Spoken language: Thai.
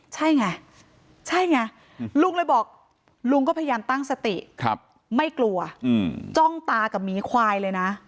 ใช่ไงใช่ไงลุงเลยบอกลุงก็พยายามตั้งสติไม่กลัวจ้องตากับหมีควายเลยนะ